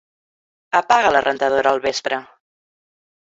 Apaga la rentadora al vespre.